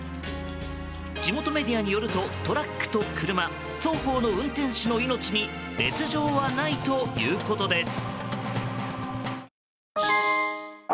地元メディアによるとトラックと車双方の運転手の命に別状はないということです。